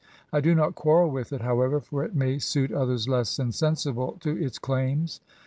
I do not quarrel with it, however, for it may suit others less insensible to its claims.